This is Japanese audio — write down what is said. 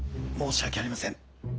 申し訳ありません。